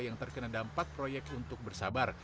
yang terkena dampak proyek untuk bersabar